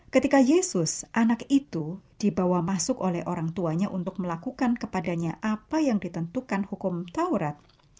ketika yesus anak itu dibawa masuk oleh orang tuanya untuk melakukan kepadanya apa yang ditentukan hukum taurat